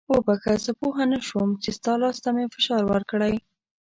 وبخښه زه پوه نه شوم چې ستا لاس ته مې فشار ورکړی.